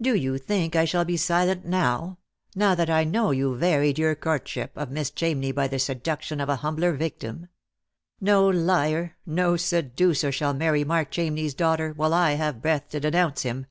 Do you think I shall be silent now — now that I know you varied your courtship of Miss Chamney by the seduction of a humbler victim ? No liar, no seducer shall marry Mark Chamney's daughter, while I have breath to denounce him."